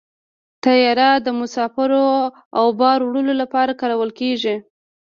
طیاره د مسافرو او بار وړلو لپاره کارول کېږي.